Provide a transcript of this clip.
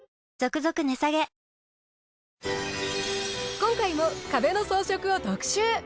今回も壁の装飾を特集。